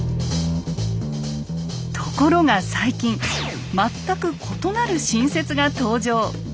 ところが最近全く異なる新説が登場。